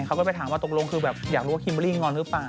เขาก็ไปถามว่าตกลงคือแบบอยากรู้ว่าคิมเบอร์รี่งอนหรือเปล่า